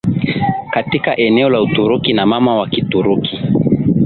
katika eneo la Uturuki na mama wa Kituruki